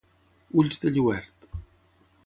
Ulls de lluert.